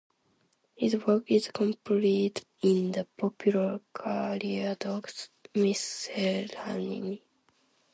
His work is compiled in the popular "Cariadoc's Miscellany".